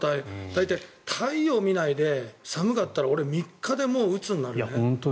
大体、太陽を見ないで寒かったら俺、３日で、うつになるね。